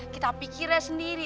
kita pikirnya sendiri